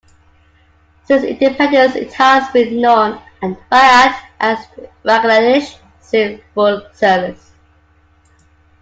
Since independence it has been known by Act as Bangladesh Civil Service.